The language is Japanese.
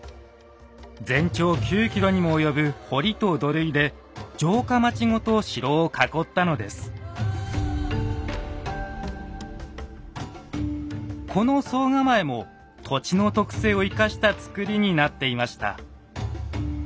全長９ｋｍにも及ぶ堀と土塁でこの総構も土地の特性を生かした造りになっていました。